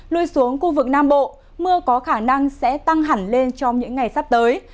lui xuống khu vực nam bộ mưa có khả năng sẽ tăng hẳn lên trong những ngày sắp tới